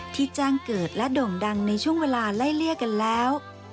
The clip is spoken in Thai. ที่แจ้งเกิดและโด่งดังในช่วงเวลาไล่เลี่ยกันแล้ว